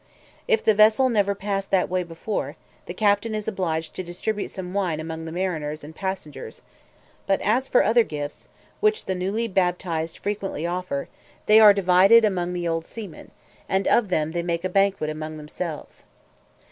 If the vessel never passed that way before, the captain is obliged to distribute some wine among the mariners and passengers; but as for other gifts, which the newly baptized frequently offer, they are divided among the old seamen, and of them they make a banquet among themselves.